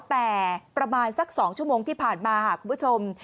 แต่ประมาณสัก๒ชั่วโมงที่ผ่านมาค่ะคุณผู้ชม